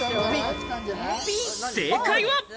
正解は？